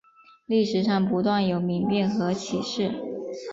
历史上不断有民变和起事。